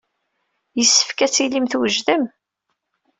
Yessefk ad tilim twejdem.